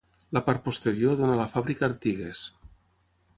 La part posterior dóna a la fàbrica Artigues.